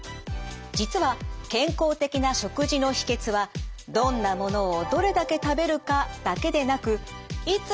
実は健康的な食事の秘けつはどんなものをどれだけ食べるかだけでなく「いつ」